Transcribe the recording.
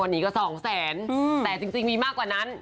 วันนี้ก็๒แสนแต่จริงมีมากกว่านั้น